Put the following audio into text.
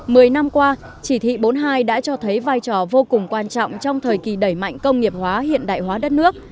mười năm qua chỉ thị bốn mươi hai đã cho thấy vai trò vô cùng quan trọng trong thời kỳ đẩy mạnh công nghiệp hóa hiện đại hóa đất nước